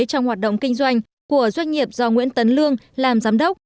trong hoạt động kinh doanh của doanh nghiệp do nguyễn tấn lương làm giám đốc